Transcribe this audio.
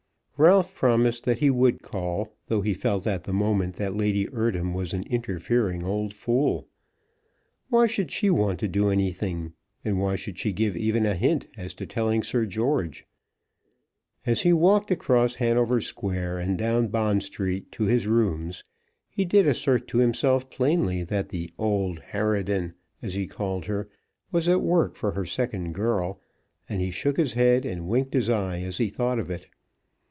Ralph promised that he would call, though he felt at the moment that Lady Eardham was an interfering old fool. Why should she want to do anything; and why should she give even a hint as to telling Sir George? As he walked across Hanover Square and down Bond Street to his rooms he did assert to himself plainly that the "old harridan," as he called her, was at work for her second girl, and he shook his head and winked his eye as he thought of it.